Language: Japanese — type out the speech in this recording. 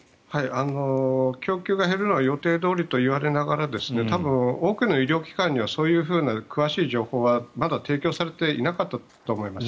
供給が減るのは予定どおりといわれながら多分、多くの医療機関にはそういう詳しい情報はまだ提供されていなかったと思います。